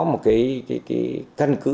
một cái căn cứ